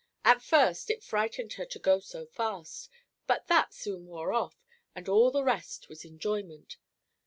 At first it frightened her to go so fast, but that soon wore off, and all the rest was enjoyment.